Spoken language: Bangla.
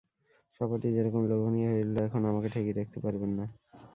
সভাটি যেরকম লোভনীয় হয়ে উঠল, এখন আমাকে ঠেকিয়ে রাখতে পারবেন না।